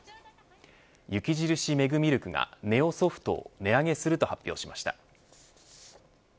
雪印メグミルクはネオソフトなどを値上げすると発表しました。